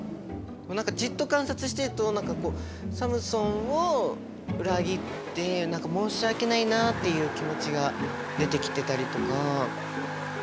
何かじっと観察してると何かこうサムソンを裏切って何か申し訳ないなっていう気持ちが出てきてたりとか。